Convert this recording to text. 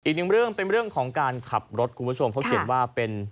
อีกหนึ่งเรื่องเป็นเรื่องของการขับรถคุณผู้ชมเขาเขียนว่าเป็น